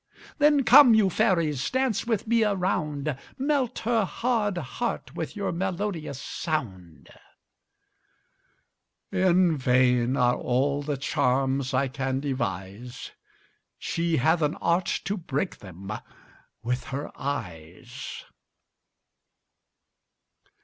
Then come, you fairies, dance with me a round; Melt her hard heart with your melodious sound. In vain are all the charms I can devise; She hath an art to break them with her eyes.